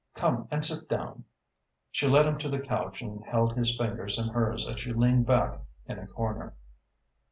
Come and sit down." She led him to the couch and held his fingers in hers as she leaned back in a corner.